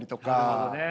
なるほどね。